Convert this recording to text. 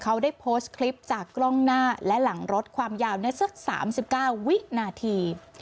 เขาได้โพสต์คลิปจากกล้องหน้าและหลังรถความยาวสัก๓๙วินาที